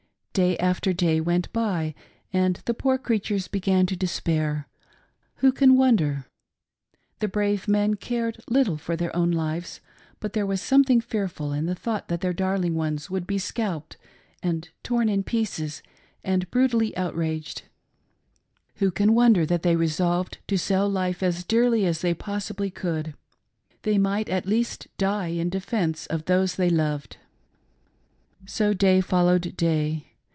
Day after day went by, and the poor creatures began to despair — who can wonder? The brave men cared little for FIEND LIKE DEEDS OF THE MORMON MILITIA. 33 1 their own lives ; but there was something fearful in the thought that their darling ones would be scalped, and torn in pieces, and brutally outraged ! Who can wonder that they resolved to sell life as dearly as they possibly could ? They might at least die in defence of those they loved. Sp day followed day.